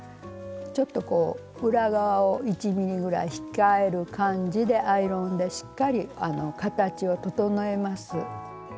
ちょっとこう裏側を１ｍｍぐらい控える感じでアイロンでしっかり形を整えます。